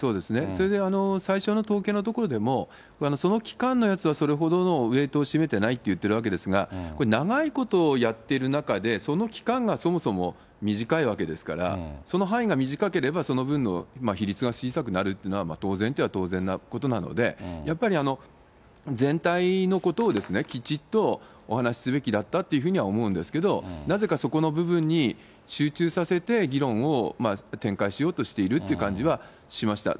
それで最初の統計のところでも、その期間のやつは、それほどのウエートを占めてないといっているわけですが、これ、長いことやってる中で、その期間がそもそも短いわけですから、その範囲が短ければ、その分の比率が小さくなるというのは当然といえば当然のことなので、やっぱり、全体のことをきちっとお話すべきだったというふうには思うんですけど、なぜかそこの部分に集中させて議論を展開しようとしているっていう感じはしました。